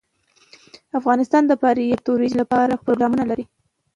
افغانستان د فاریاب د ترویج لپاره پروګرامونه لري.